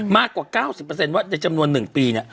มากกว่า๙๐ว่าในจำนวน๑ปี